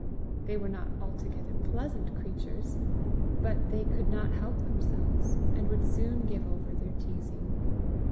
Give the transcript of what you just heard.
They were not altogether pleasant creatures, but they could not help themselves, and would soon give over their teasing.